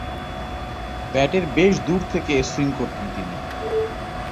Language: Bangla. ব্যাটের বেশ দূর থেকে এ সুইং করতেন তিনি।